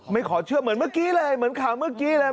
ขอเชื่อเหมือนเมื่อกี้เลยเหมือนข่าวเมื่อกี้เลย